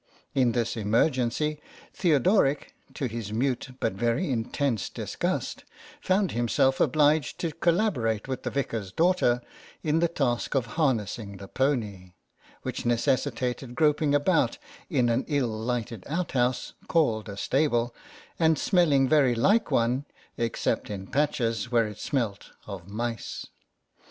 In this emergency Theodoric, to his mute but very intense disgust, found himself obliged to collaborate with the vicar's daughter in the task of harnessing the pony, which necessitated groping about in an ill lighted outhouse called a stable, and smelling very like one — except in patches where it smelt of mice.